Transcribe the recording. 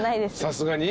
さすがに？